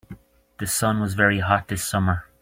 The sun was very hot this summer.